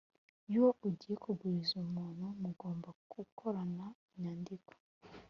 Iyo ugiye kuguriza umuntu mugomba gukorana inyandiko